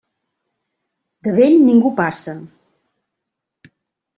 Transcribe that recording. De vell ningú passa.